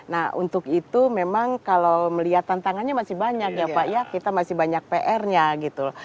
nah untuk itu memang kalau melihat tantangannya masih banyak ya pak ya kita masih banyak pr nya gitu